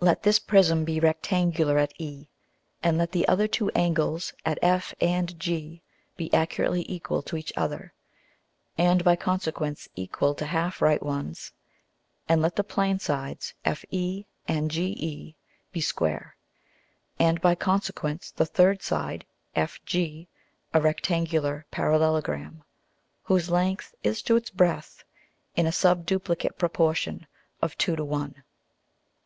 Let this Prism be rectangular at E, and let the other two Angles at F and G be accurately equal to each other, and by consequence equal to half right ones, and let the plane sides FE and GE be square, and by consequence the third side FG a rectangular Parallelogram, whose length is to its breadth in a subduplicate proportion of two to one.